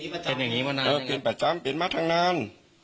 เป็นประจำเป็นมาตั้งนาน